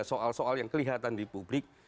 soal soal yang kelihatan di publik